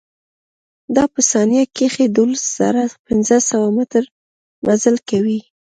دا په ثانيه کښې دولز زره پنځه سوه مټره مزل کوي.